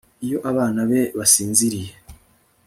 iyo abana be basinziriye